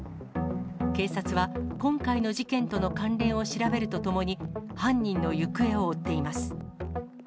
警察は、今回の事件との関連を調べるとともに、犯人の行方を追っています。